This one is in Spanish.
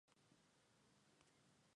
Participa en seis encuentros de liga.